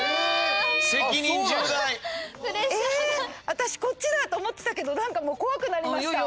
私こっちだと思ってたけど何かもう怖くなりました。